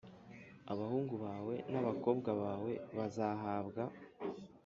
Abahungu bawe n abakobwa bawe bazahabwa